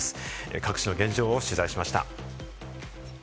各地の現状を取材しました。